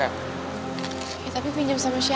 apa kita pinjam handphone aja kak